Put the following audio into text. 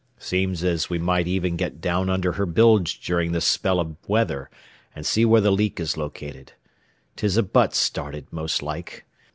Seems as we might even get down under her bilge durin' this spell av weather, an' see where th' leak is located. 'Tis a butt started, most like.